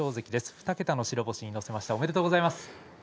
２桁の白星にのせましたおめでとうございます。